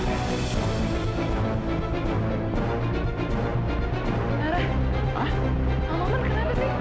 belum pernah semarain sebelumnya